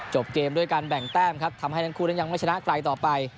เกมด้วยการแบ่งแต้มครับทำให้ทั้งคู่นั้นยังไม่ชนะไกลต่อไป